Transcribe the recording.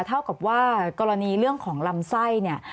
เท่ากับว่ากรณีเรื่องของลำไส้เนี่ย